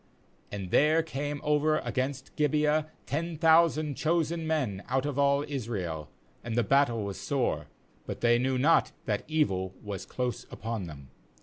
MAnd there came over against Gibeah ten thou sand chosen men out of all Israel, and the battle was sore; but they knew not that evil was close upon them.